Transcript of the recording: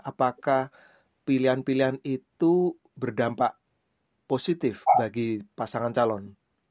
apakah pilihan pilihan itu berdampak positif bagi pasangan calon